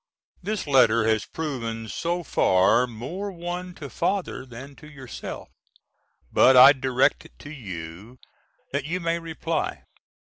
This letter has proven so far more one to Father than to yourself, but I direct it to you that you may reply.